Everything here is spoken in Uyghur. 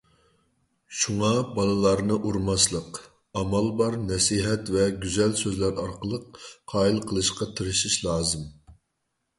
شۇڭا بالىلارنى ئۇرماسلىق، ئامال بار نەسىھەت ۋە گۈزەل سۆزلەر ئارقىلىق قايىل قىلىشقا تىرىشىش لازىم.